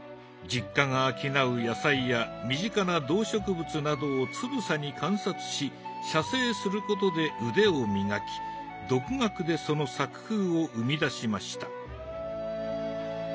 実家が商う野菜や身近な動植物などをつぶさに観察し写生することで腕を磨き独学でその作風を生みだしました。